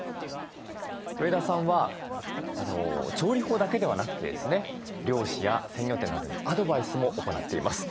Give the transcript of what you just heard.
上田さんは調理法だけではなくてですね漁師や鮮魚店などにアドバイスも行っています。